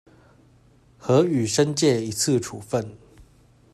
核予申誡一次處分